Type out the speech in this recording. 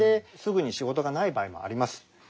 すぐに仕事がない場合もあります。